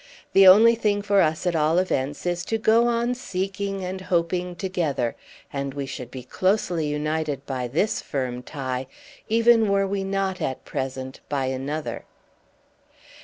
The only thing for us at all events is to go on seeking and hoping together; and we should be closely united by this firm tie even were we not at present by another.